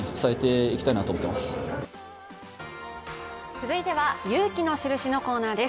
続いては「勇気のシルシ」のコーナーです。